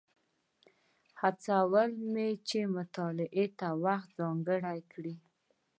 هڅول مې چې مطالعې ته وخت ځانګړی کړي.